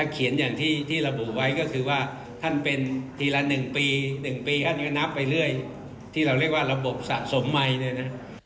เขียนอย่างที่ดีเราบูไว้ก็คือว่าท่านเป็นที่ละ๑ปี๑ปีก็นับไปเรื่อยที่เราได้ว่าระบบสะสมมัยเนี่ย